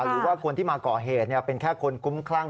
หรือว่าคนที่มาก่อเหตุเป็นแค่คนคุ้มคลั่ง